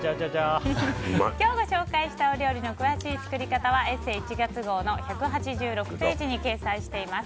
今日ご紹介したお料理の詳しい作り方は「ＥＳＳＥ」１月号１６８ページに掲載しています。